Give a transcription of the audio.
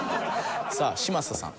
さあ嶋佐さん。